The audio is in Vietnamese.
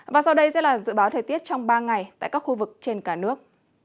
và sau đây sẽ là dự báo thời tiết trong ba ngày tại các khu vực trên cả nước